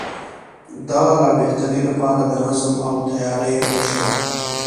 د لا بهترۍ لپاره د نظم او تیارۍ تشه وه.